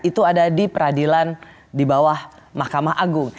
itu ada di peradilan di bawah mahkamah agung